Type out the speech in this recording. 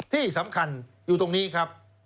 ที่สำคัญอยู่ตรงนี้ครับ